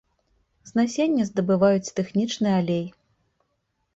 З насення здабываюць тэхнічны алей.